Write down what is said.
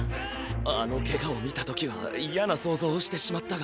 あの怪我を見た時は嫌な想像をしてしまったが。